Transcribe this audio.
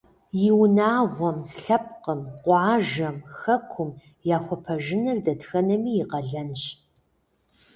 И унагъуэм, лъэпкъым, къуажэм, хэкум яхуэпэжыныр дэтхэнэми и къалэнщ.